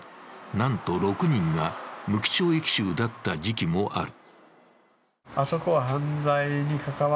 なんと６人が無期懲役囚だった時期もある。